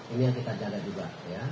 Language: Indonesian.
ini yang kita jaga juga